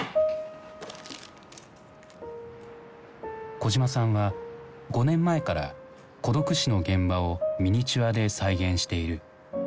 小島さんは５年前から孤独死の現場をミニチュアで再現している。